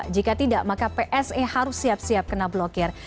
jika tidak maka pse harus siap siap kena blokir